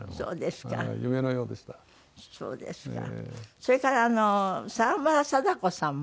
それから沢村貞子さんも。